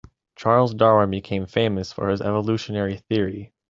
Charles Darwin became famous for his evolutionary theory.